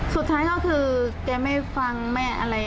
สุดท้ายก็คือแกไม่ฟังแม่อะไร